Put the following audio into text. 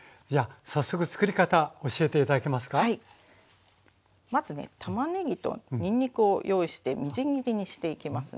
まずねたまねぎとにんにくを用意してみじん切りにしていきますね。